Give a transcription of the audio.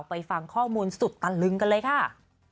ไปฟังข้อมูลสุดตะลึงกันเลยค่ะ